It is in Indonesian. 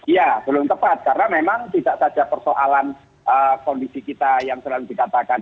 ya belum tepat karena memang tidak saja persoalan kondisi kita yang selalu dikatakan